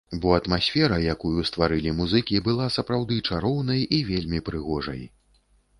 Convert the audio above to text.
Бо атмасфера, якую стварылі музыкі, была сапраўдны чароўнай і вельмі прыгожай.